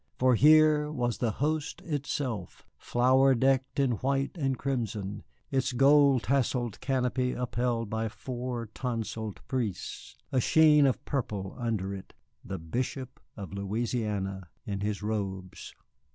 For here was the Host itself, flower decked in white and crimson, its gold tasselled canopy upheld by four tonsured priests, a sheen of purple under it, the Bishop of Louisiana in his robes.